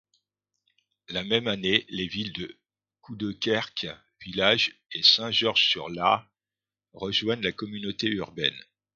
La même année, les villes de Coudekerque-Village et Saint-Georges-sur-l'Aa rejoignent la Communauté Urbaine.